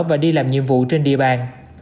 và đi làm nhiệm vụ trên địa bàn